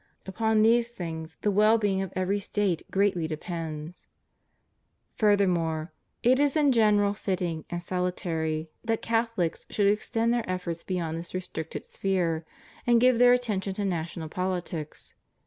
Upon these things the well being of every State greatly depends. Furthermore, it is in general fitting and salutary that CHRISTIAN CONSTITUTION OF STATES. 131 Catholics should extend their efforts beyond this restricted sphere, and give their attenton to national politics.